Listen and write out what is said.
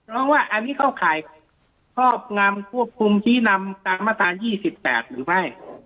ร้องว่าอันนี้เข้าข่ายครอบงำควบคุมชี้นำตามมาตรา๒๘หรือไม่